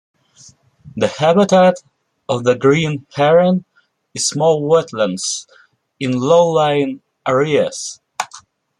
The habitat of the green heron is small wetlands in low-lying areas.